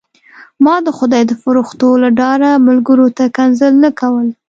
ما د خدای د فرښتو له ډاره ملګرو ته کنځل نه کول.